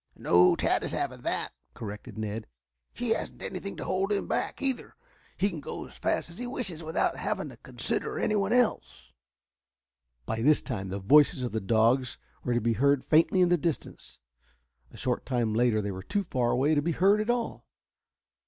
"No, Tad is having that," corrected Ned. "He hasn't anything to hold him back, either. He can go as fast as he wishes without having to consider anyone else." By this time the voices of the dogs were to be heard faintly in the distance. A short time later they were too far away to be heard at all.